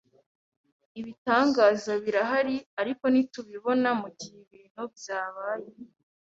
Ibitangaza birahari, ariko ntitubibona mugihe ibintu byabaye.